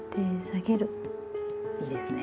いいですね。